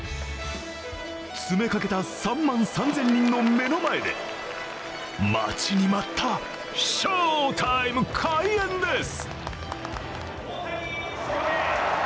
詰めかけた３万３０００人の目の前で待ちに待った翔タイム開演です。